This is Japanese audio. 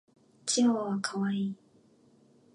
チワワは可愛い。